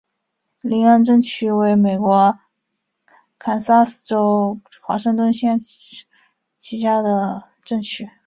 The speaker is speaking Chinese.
林恩镇区为美国堪萨斯州华盛顿县辖下的镇区。